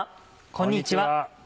こんにちは。